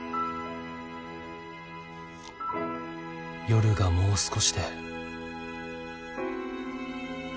夜がもう少しで。